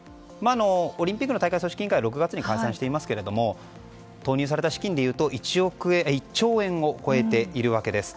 オリンピックの大会組織委員会は６月に解散していますが投入された資金でいうと１兆円を超えているわけです。